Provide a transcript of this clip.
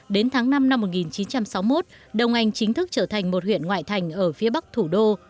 đến tháng năm năm một nghìn chín trăm sáu mươi một đông anh chính thức trở thành một huyện ngoại thành ở phía bắc thủ đô